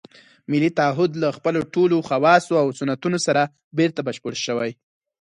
ملي تعهُد له خپلو ټولو خواصو او سنتونو سره بېرته بشپړ شوی.